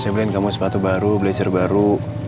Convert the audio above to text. saya beliin kamu sepatu baru blazer baru